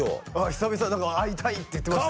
久々だから会いたいって言ってましたよ